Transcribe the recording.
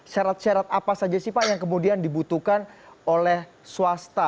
syarat syarat apa saja sih pak yang kemudian dibutuhkan oleh swasta